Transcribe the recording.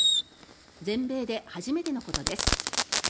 全米で初めてのことです。